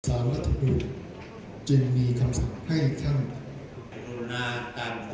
สาวรัฐบุรุษจึงมีคำสั่งให้ข้าง